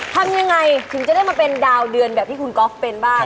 ทำยังไงถึงจะได้มาเป็นดาวเดือนแบบที่คุณก๊อฟเป็นบ้าง